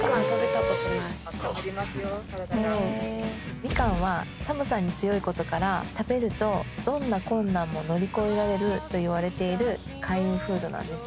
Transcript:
みかんは寒さに強いことから食べるとどんな困難も乗り越えられるといわれている開運フードなんですよ。